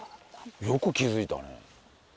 よく気づいたね。